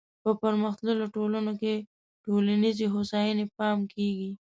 په پرمختللو ټولنو کې ټولنیزې هوساینې پام کیږي.